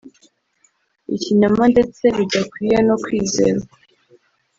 ikinyoma ndetse bidakwiye no kwizerwa